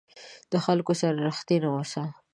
د خلکو سره رښتینی اوسه.